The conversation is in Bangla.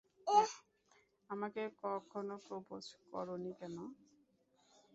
আমাকে কখনো প্রপোজ করোনি কেনো?